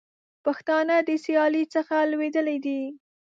پښتانه د سیالۍ څخه لوېدلي دي.